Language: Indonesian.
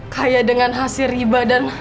kaya dengan hasil riba dan